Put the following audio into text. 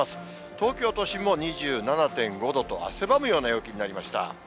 東京都心も２７．５度と汗ばむような陽気になりました。